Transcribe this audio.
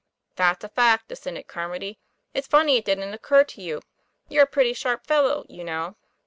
"That's a fact," assented Carmody. "It's funny it didn't occur to you. You're a pretty sharp fellow, you know."